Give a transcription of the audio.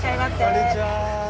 こんにちは。